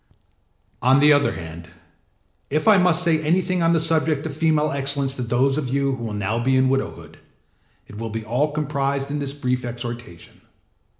On the other hand, if I must say anything on the subject of female excellence to those of you who will now be in widowhood, it will be all comprised in this brief exhortation.